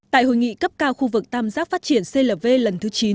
tại hội nghị cấp cao khu vực tam giác phát triển clv lần thứ chín